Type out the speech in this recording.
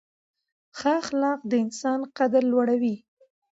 ښه اخلاق د انسان قدر لوړوي.